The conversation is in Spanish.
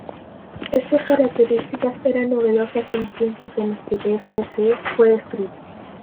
Estas características eran novedosas en los tiempos en los que pcc fue escrito.